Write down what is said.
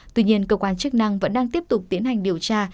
tuy nhiên cơ quan chức năng vẫn đang tiếp tục tiến hành điều tra